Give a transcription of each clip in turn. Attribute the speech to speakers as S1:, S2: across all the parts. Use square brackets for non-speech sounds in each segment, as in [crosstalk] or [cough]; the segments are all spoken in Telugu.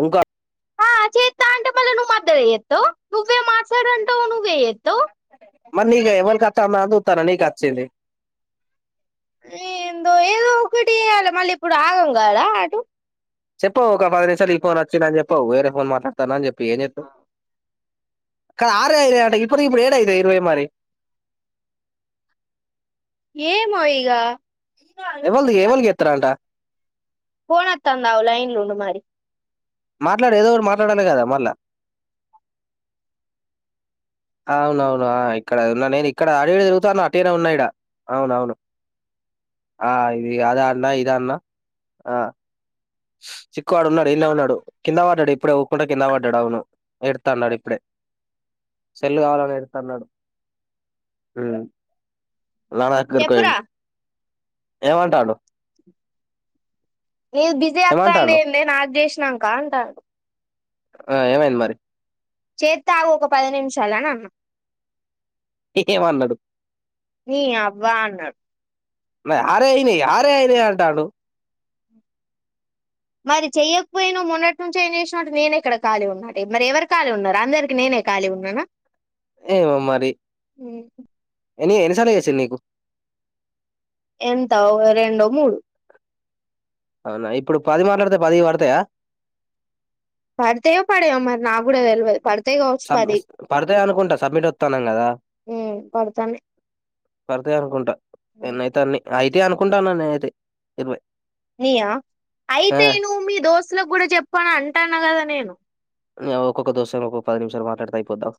S1: ఇంకో
S2: ఆ చేత్తా అంటే మళ్ళ నువ్వు మధ్యల చెత్తవ్ నువ్వే మాట్లాడు అంటవ్ నువ్వే చెత్తవ్
S1: మరి నీకే ఎవ్వళకొత్తాందా అని చూస్తాన్న నీకచ్చింది
S2: ఏందో ఏదో ఒకటి చేయాలే మళ్ళీ ఇప్పుడు ఆగం కాడా అటు
S1: చెప్పవు ఒక పది నిమిషాలు ఈ ఫోన్ వచ్చిందని చెప్పవు వేరే ఫోన్ మాట్లాడుతున్నా అని చెప్ప ప్పు ఇగ ఏంచేస్తావ్ కాలేరా అంటే ఇప్పుడికిప్పుడు ఏడైతయి ఇరవై మరి
S2: ఏమో ఇగ
S1: ఎవల్ది ఎవలీకి చెత్తరంట
S2: ఫోన్ ఒత్తాంది ఆగు లైన్ల ఉండు మరి
S1: మాట్లాడు ఏదో ఒకరు మాట్లాడాలి కదా మళ్ళా అవునవును ఇక్కడ ఉన్నా నేను ఇక్కడ అటు ఇటు తిరుగుతాన వట్టిగనే ఉన్న ఈడ అవునవును ఆ ఇది అదా అన్న ఇద అన్న ఆ చిక్కుగాడు ఉన్నాడు ఈడ్నే ఉన్నడు కింద పడ్డడు ఇప్పుడే ఉరుక్కుంట కింద పడ్డడు అవును ఎడుతాండు ఇప్పుడే సెల్ కావాలని ఎడుతాండు నాన్న దగ్గరకి
S2: చెప్పురా
S1: పోయిండు ఏమంటాడు
S2: నీది బిజీ
S1: ఏమంటాడు
S2: వస్తాందేందే నాకు చేసినాంక అంటాడు
S1: ఆ ఏమైంది మరి
S2: చెత్తాగు ఒక పది నిమిషాలని అన్నా
S1: ఏమన్నాడు
S2: నీయవ్వ అన్నడు
S1: ఆరే అయినయి ఆరే అయినయి అంటాండు
S2: మరి చెయ్యకపోయినవ్ మొన్నటి నుంచి ఏంచేసినంటే నేనేక్కడ ఖాళీగున్న అంట మరి ఎవరు ఖాలీగా ఉన్నరు అందరికి నేనే ఖాళీగ ఉన్ననా
S1: ఏమో మరి
S2: ఉమ్
S1: ఎన్ని ఎన్ని చాలేసి నకు
S2: ఎంత రెండో మూడు
S1: అవునా ఇప్పుడు పది మాట్లాడితే పది పడతాయా
S2: పడతేయ పడే అమారి నాగుడ వె పడు
S1: సబ్మి పడితే అనుకుంటా సబ్మిట్ వస్తాన్నాం కదా
S2: ఉమ్ పడతానయ్
S1: పడితే అనుకుంటా నైతన్ని అయితే అనుకుంటాను నేను అయితే ఇరవై
S2: నయా
S1: ఆ,
S2: అయితే నువ్వు మీ దోస్తులకు కూడా చెప్పాను అంటాను కదా నేను
S1: ఒక్కొక్క దోసానికి ఒ పది నిమిషాలు మాట్లాడుత అయిపోద్దావు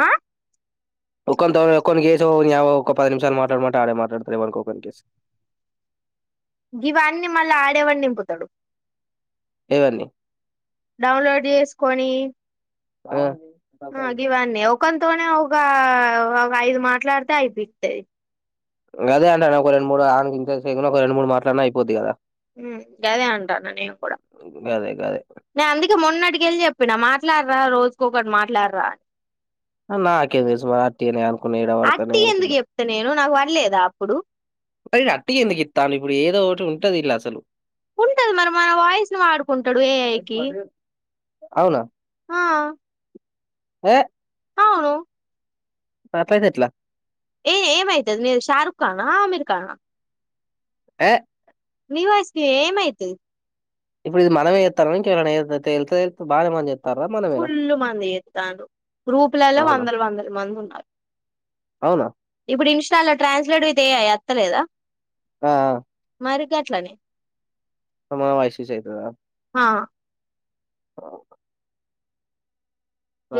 S2: ఆ
S1: ఒ కొన్ని కేసు ఒ పది నిమిషాలు మాట్లాడమంటే ఆడే మాట్లాడతారు ఇవనుకోక్కని కేసు
S2: జీవాన్ని మళ్ళీ ఆడేవాడి నింపుతాడు
S1: ఎవర్ని
S2: డౌన్లోడ్ చేసుకొని
S1: ఉ
S2: ఆ గివాన్నే ఓ ఖోం ఃతోనే ఒగ ఒ ఐదు మాట్లాడితే అయిపితది
S1: గదే అంటన్న ఒక రెండ్మూడు ఆ ఒక రెండు మూడు మట్లాలన్న ఐపోద్ది గదా
S2: హుమ్ గదే అంటాన్న నేను గుడా
S1: అదే అదే
S2: నే అందుకే మొన్నటికెల్లి చెప్పిన మా ట్లాడ్రా రోజుకొకటి మాట్లాడ్రా
S1: నాకేందిసు మరి అటి అనే అనుకున్నా ఎడవడతనే
S2: అట్టి ఎందుకు చెప్తా నేను నాకు పనిలేదా అప్పుడు
S1: అట్ క ఎందుకు ఇ తాను ఏదో ఒకటి ఉంట ఉంటది దిన్ల అసలు
S2: ఉంటది మరి మన వాయిస్ ను వాడుకుంటాడు ఏఐకి
S1: అవునా
S2: ఆ
S1: ఏ
S2: అవును
S1: తాతయ్యదెట్లా
S2: ఏ ఏమయితది మీరు షారుఖ్ కానా అమీర్ ఖానా
S1: ఏ
S2: మేం వస్తే ఏమయితుంది
S1: ఇప్పుడు ఇది మనమే చెత్తానమా ఇంకేవరన్న తేల్థే బానే పన్చె
S2: ఫుల్లు మంది ఛేత్తాండ్రు గ్రూపులలో
S1: అవునా
S2: వందల వందల మంది ఉన్నారు
S1: అవునా
S2: ఇప్పుడు ఇన్స్టాల ట్రాన్స్లేట్ విత్ ఎఐ అత్తలేదా
S1: ఆ
S2: మరిగట్లనే
S1: అమా వైస్ కుచేతద
S2: ఆ
S1: ఓ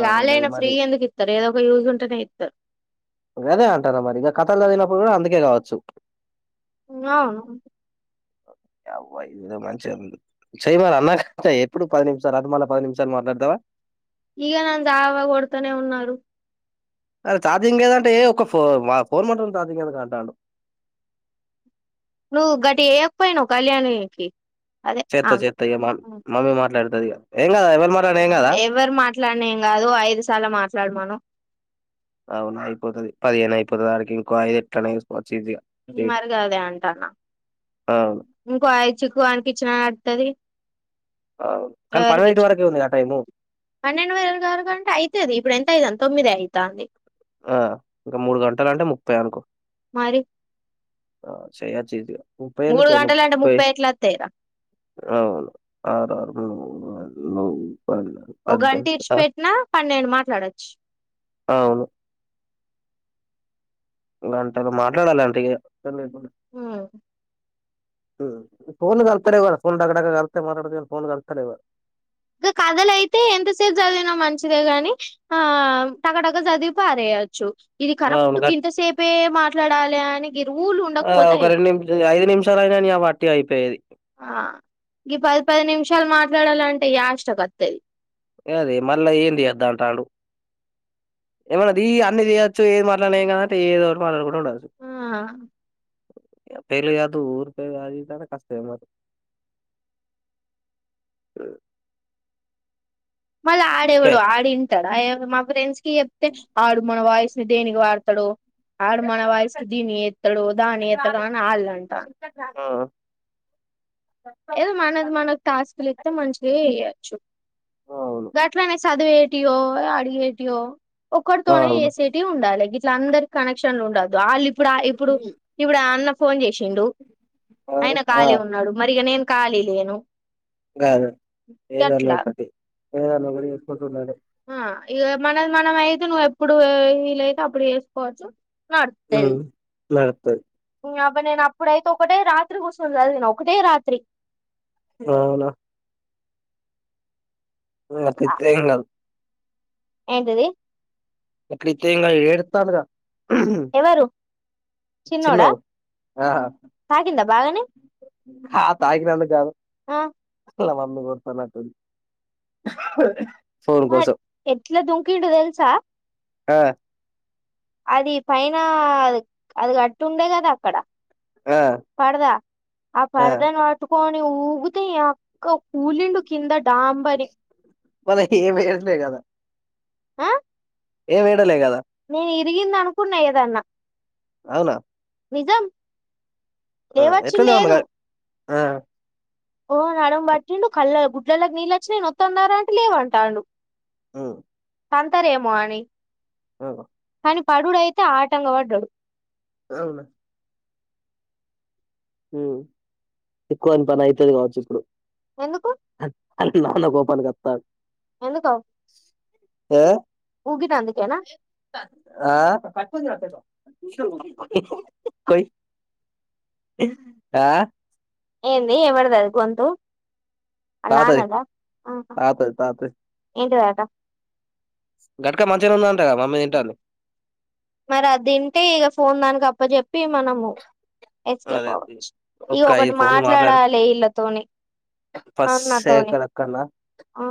S2: గాలైన ఫ్రీ
S1: మరి
S2: గా ఎందుకిత్తరు ఎదో యజ్ ఉంటానే ఇరు
S1: రే అంటారా మరి ఇంక కథల్లో చదినప్పుడు కూడా అందుకే కావచ్చు
S2: అవు
S1: అవ మంచి చేయ మ అన్నాక ఎప్పుడు పది నిమిషాలు రథమాల పది నిమిషాలు మాట్లాడతావా
S2: ఈగ నన్ జావ కొడతనే ఉన్నారు
S1: అరే ఛార్జింగ్ ఏదంటే ఒక ఫో ఫోన్ మంటం ఛార్జింగ్ ఏద అంటాడు
S2: నువ్వు గట్ వేయకపోయినావు్ కళ్యాణకి
S1: చేత్త చేత్తయ మా మమ్మీ మాట్లాడుతు ఎం ఎవ
S2: ఎవరు మాట్లాడినాం కాదు ఐదు సార్లు మాట్లాడు మనుం
S1: అవునా అయిపోతుది పదిహేను అయిపోతుంది అడికి ఇంకో ఐదు ఎట్లా అ వకోవచ్చు ఇదిగా
S2: మరి కాదే అంటాన్నా
S1: అవును
S2: ఇంకోయి చిుకువనికి ఇచ్చిన నడుతుది
S1: అవును. కానీ పన్నెండిటి
S2: ఎకి
S1: వరకే ఉందిగా టైము
S2: పన్నెండు వేలలు గారు కంటే అయితుది ఇప్పుడు ఎంత అయిది అంత తొమ్మిది అయితాంది
S1: ఆ ఇంకా మూడు గంటలు అంటే ముప్పై అనుకో
S2: మరి
S1: స చజ ముప్పై
S2: మూడు
S1: ఎందుకే
S2: గంటలు అంటే
S1: ముప్పై
S2: ఎట్లా వత్తాయిరా
S1: అవును ఆరు న
S2: ఒక గంట ఇడ్చిపెట్టినా పన్నెండు మాట్లాడొచ్చు
S1: అవును టారు మాట్లాడాలి అంటగా క
S2: ఉమ్
S1: ఫోన్ గల్తార ఇవ ఫోన్ డగడగా గల్త మాట్లాడత ఫోన్ గల్తారు ఇవరు
S2: ఇంకా కథలయితే ఎంతసేపు చదివినా మంచిదే గాని ఆ టకటక చదివిపోరేయొచ్చు ఇది
S1: అవును
S2: కరెక్ట్
S1: గట్
S2: కింతసేపే మా లడాలని
S1: ఆ ఒక రెండు నిమిష్ ఐదు నిమిషాల అయినా నీ అవ్వ వట్టిగ అయి పేయేది
S2: ఆ గీ పది పది నిమిషాలు మాట్లాడాలంటే యాష్ట కొత్తది.
S1: ఏ అదే మళ్ళా ఏం తీయొద్ద్దు అంటాడు. ఏమన్నదీ అన్నీ తీయొచ్చు ఏది మాట్లాడినా ఏమ్ కాదంటే, ఏదో ఒకటి మాట్లాడుకుం కుండొచ్చు
S2: ఆ
S1: పేర్లు తీయద్దూ ఊరు పేరు అదీ ఇదీ అంటే కష్టమే మాకు.
S2: మళ్ళ ఆడెవడో ఆడు ఇంటడా ఏమ మా ఫ్రెండ్స్ కీ చెప్పితే వాడు మన వాయిస్ దేనికి వాడుతడో ఆడు మన వాయస్కి దీన్నీ చేత్తడూ దాన్ని చేత్తడు అని ఆళ్ళు అంటాన్.
S1: ఆ
S2: ఏదో మనది మనక్ టాస్క్లు ఇత్తే మంచిగా చెయ్యాల్ చ్చు
S1: అవును
S2: గట్లానే చదివేట్ కియోల అడిగేటియో ఒకరుతోనే
S1: అవును
S2: చేసేటియి ఉండాలె గిట్ ఇట్ల అందరిక్ కనెక్షన్లు ఉండద్ ఆళ్ళు ఇప్పుడు ఆ ఇప్పుడు ఇప్పుడు ఆ అన్న ఫోన్ చేశ్ శిండూ.
S1: అవును
S2: ఆయన
S1: ఆ
S2: ఖాళీగున్నడు మరి ఇగ నేన్ ఖాళీలేను.
S1: గాదు ఏదన్న ఒకటి ఏదన్నా ఒకటి చేసుకుంటూ ఉండాలే.
S2: ఆ ఇగ మనది మనం అయితే నువ్వు ఎప్పుడు వీలైతే అప్పుడు చేసుకోవచ్చు. ఆరుస్తదీ
S1: ఉమ్ నడుత్తది
S2: నీ అబ్బ నేను అప్పుడైతే ఒకటే రాత్రి కూసోం చదివిన ఒకటే రాత్రి.
S1: అవునా ఆ అట్ల ఇత్తేం గాదు.
S2: ఏంటిది
S1: ఇట్ల ఇత్తేంగాదు ఈడు ఏడుత్తాండుగా.
S2: ఎవరు చిన్నోడా
S1: చిన్నోడు
S2: తాకిందా బాగానే.
S1: హా తాకినందుక్ గాదు
S2: ఆ
S1: వాళ్ళ మమ్మీ కొడతాన్నట్టుంది.
S2: [unintelligible] ఎట్ల దుంకిండు తెల్సా
S1: ఆ
S2: అది పైన అది గట్టు ఉండే కదా అక్కడ
S1: ఆ
S2: పరదా ఆ పరదాని పటుకో ఊగుతయి అక్క కూలిండు కింద డాంబరి
S1: మనకేం ఎయ్యట్లే కదా
S2: ఆ
S1: ఏం ఏడలే కదా
S2: నీ ఈ రిగిం అనుకున్నా ఏదన్నా
S1: అవునా
S2: నిజం
S1: ఆ
S2: లేవచ్చు
S1: ఎట్లుంది మమ్మీ
S2: లేదు
S1: లైఫ్? ఆ
S2: ఓ నడడం బటిం కల్ళ గు ఇల్కి నీళ్ళ వచ్చి నొత్తన్నార అంటే లేవవుంటాడు
S1: ఓ
S2: సంతారేమో అని
S1: అ
S2: కాని పడడు అయితే ఆటంగ పడ్డాడు
S1: అవును ఎక్కువని పని అవుతుది కావచ్చు ఇప్పుడు
S2: ఎందుకు
S1: అని నాన్న
S2: ఎందుకు
S1: ఆ
S2: ఊగి నందుకెనా
S1: ఆ ఆ
S2: ఏంది ఎవరిది అది గొంతు ఆళ్ళ
S1: తాతాది
S2: నాన్నదా
S1: తాతది తాతది
S2: స
S1: గట్క మంచిగానే ఉన్నాదంట కదా మమ్మీ తింటుంది
S2: మరి అది తింటే ఇక ఫోన్ దానికి అప్పచెప్పి మనము ఎస్కేప్
S1: అదే
S2: అవచ్చు ఇ
S1: ఒక్క
S2: ఒకటి
S1: ఐదు ఫోన్లు మాట్లాడు
S2: మాట్లాడాలి ఇళ్ళతోని
S1: ఫస్ట్
S2: అన్నతోని
S1: శేఖర్ అక్కన్న
S2: ఆ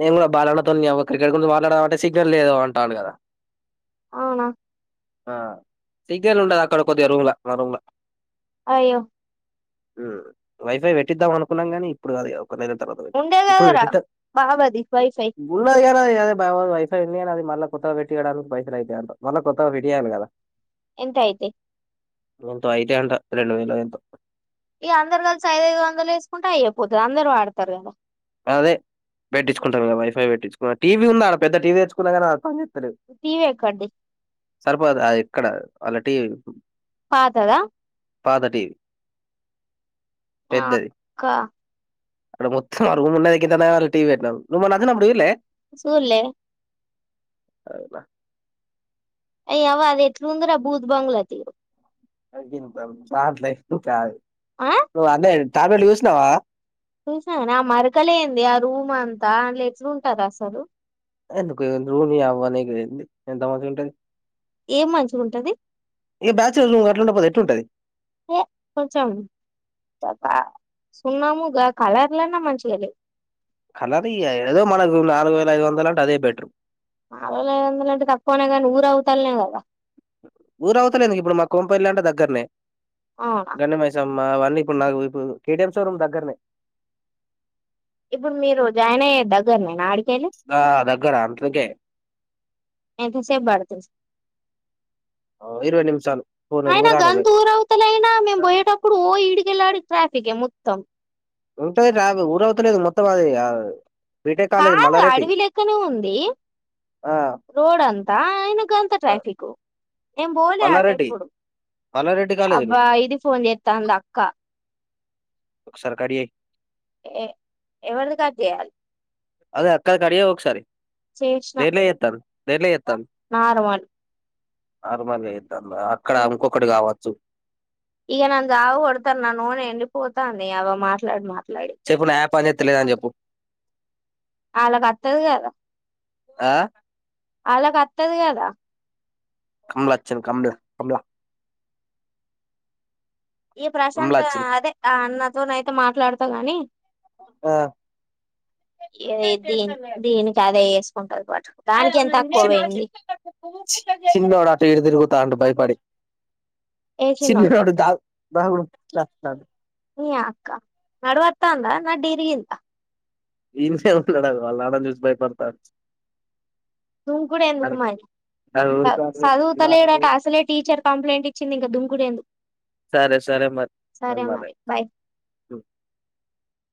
S1: నేను కూడా బాలన్నతోని క్రికెట్ గురించి మాట్లాడ అంటే సిగ్నల్ లేదు అంటాడు కదా
S2: అవునా
S1: సిగ్నల్ ఉండదు అక్కడ కొద్దిగా రూమ్లా మా రూమ్లా
S2: అయ్యో
S1: మ్ వైఫై పెట్టిద్దాం అనుకున్నాం గాని ఇప్పుడు కాదు కొన్ని రోజుల తర్వాత ఇప్పుడు పేట్టి
S2: బావది వైఫై
S1: పేద బావది కాదే వైఫై ఉంది అని అది మళ్ళ కొత్తగా పెట్టియడానికి పైసల్ అయితాయి అంటా మళ్ళ కొత్తగా పెటియాలి కదా
S2: ఎంత అయితాయి
S1: రోంతా అయితాయి అంటా రెండు వేలు ఎంతో
S2: ఈక అందరు కలిసి ఐదుఐదు వందలు వేసుకుంటే అయ్యయిపోతుంది అందరు వాడతారు కదా
S1: అదే పెట్టించుకుంటారు కదా వైఫై పెట్టించు టీవీ ఉంద అడ పెద్ద టీవీ తెచ్చుకున్నా అది పంచేయదు
S2: టివి ఎక్కడిది
S1: సరిపోదు ఎక్కడా అలా టీవి
S2: పాతదా
S1: పాత టీవి
S2: ఆ అక్క
S1: ఆడ మో త్ మా రూమ్ ఉన్న దగ్గర గానే టీవీ పెట్టినం నువ్వు మొన్న వచ్చినపుడు చూడలే
S2: సడల్
S1: అవునా
S2: అయవ్వ అది ఎట్లు ఉందరా భూత బంగల తీరు
S1: [unintelligible]
S2: ఆ
S1: బ్రో అదే ట్యాబ్లెట్ చూసినావా
S2: చూసాని ఆ మరకలేంది ఆ రూమ్ అంతా ఎట్లుంటారు అసలు
S1: ఎందుకు ఎన్ని రోజులు అవ్లేగేంది ఎంతమందికి ఉంటది
S2: ఏం మంచిగా ఉంటది
S1: ఇక బ్యాచులర్ రూమ్ అట్లా ఉండకపోతే ఎట్లుంటది
S2: ఏ కొంచం ఆ సున్నాముగా కలర్లన్న మంచిగా లేవ
S1: కలర్ ఇగా ఆ ఏదో మనకు నాలుగు వేల ఐదు వందలు అంటే అదే బెటర్
S2: నాలుగు వేల ఐదు వందలు అంటే తక్కువనే కానీ ఊరు అవతలనే కదా
S1: ఊరు అవతలా ఎందుకు ఇప్పుడు మా కోంపల్లి అంటే దగ్గరనే
S2: అవునా
S1: గండి మైసమ్మ అవన్నీ ఇప్పుడు నాకు వయిపు కేటీఎం షోరూమ్ దగ్గరనే
S2: ఇప్పుడు మీరు జాయిన్ అయ్యే దగ్గర నేనా ఆడి
S1: ఆ దగ్గర అందుకే
S2: ఎంతసేపు పడుతుంది
S1: ఇరవై నిమిషాలు పోనూరు
S2: అయినా
S1: ఊరానికి
S2: గంత
S1: పోయి
S2: ఊరవతలయినా మేము పోయేటప్పుడు ఓ ఇడికెళ్ళడు ట్రాఫిక్ ఏ తం
S1: ఉంటది కాదు ఊరవుతలేగా మొత్తం అది గా
S2: కాదు అడవి లెక్కనే ఉంది
S1: ఆ
S2: రోడ్ అంతా అయినా అంతా ట్రాఫికు నేన్ పోలే
S1: మల్లారెడ్డి
S2: అటేప్పుడు
S1: మల్లారెడ్డి కాలేజీలు
S2: అబ్బా ఇది ఫోన్ చేత్తా ఉంది అక్క
S1: ఒకసారి కట్ చెయ్
S2: ఏ ఎవరిది కట్ చేయాలి
S1: అదే అక్కా కట్ చెయ్ ఒకసారి నేనే ఎతాను సర్లే
S2: మారవాడి
S1: ఆగమనే అక్కడ ఇంకొకటి కావచ్చు
S2: ఇగ నన్ను జావ కొడతారు నా నోరు ఎండిపోతా ఉంది పోతా అంది అలా మాట్లాడి మాట్లాడి
S1: చెప్పు నా యాప్ అనేది తెలియదాని చెప్పు
S2: వాళ్ళకి అత్తది
S1: ఆ
S2: ఆల్లకి వత్తది కదా
S1: కమలాచ్చన్ కమలా కమలా
S2: ఈ
S1: కమల
S2: ప్రశాంత్
S1: వచ్చింది
S2: అదే అన్న నేనయితే మాట్లాడతా గాని
S1: ఆ
S2: ఏ దీని దీని కాదే వ ఉంటాది
S1: చి చిన్నోడా ఇటు తిరుగు తాడు భయపడి
S2: వేసినోడు
S1: చిన్నోడు ద బాగు అదే
S2: మీ అక్క నడువత్తా అందా నడ్డిరిగిందా
S1: ఇండి నుంచే వస్తలేడు అగో వాళ్ళంను ఆడ చూసి భయపడుతున్నాడు
S2: దుంకుడు ఎందుకు మరి. చదువుతలేడంట అసలే టీచర్ కంప్లైంట్ ఇచ్చింది ఇంకా దుంకుడు ఎందుకు
S1: సరే సరే మరి
S2: సరే
S1: మల్ల
S2: మరి బై
S1: రెకు